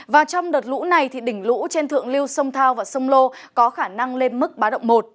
và trong đợt lũ này đỉnh lũ trên thượng lưu sông thao và sông lô có khả năng lên mức ba độ một